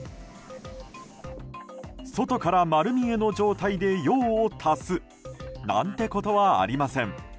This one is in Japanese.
外から丸見えの状態で用を足すなんてことはありません。